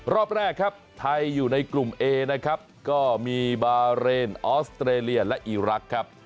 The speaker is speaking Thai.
รอบแรกครับไทยอยู่ในกลุ่มเอนะครับก็มีบาเรนออสเตรเลียและอีรักษ์ครับ